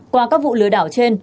qua các vụ lừa đảo trên